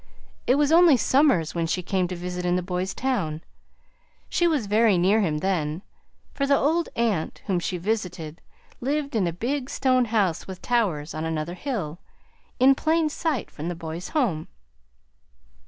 It was only summers when she came to visit in the boy's town. She was very near him then, for the old aunt whom she visited lived in a big stone house with towers, on another hill, in plain sight from the boy's home."